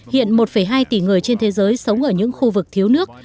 hiện một hai tỷ người trên thế giới sống ở những khu vực thiếu nước